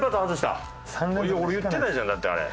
俺言ってたじゃんだってあれ。